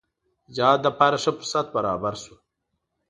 د جهاد لپاره ښه فرصت برابر شو.